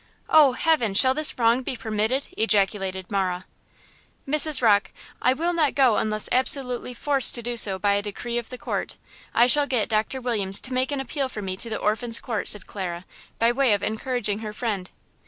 "Oh, heaven! shall this wrong be permitted?" ejaculated Marah. "Mrs. Rocke, I will not go unless absolutely forced to do so by a decree of the court. I shall get Doctor Williams to make an appeal for me to the Orphans' Court," said Clara, by way of encouraging her friend.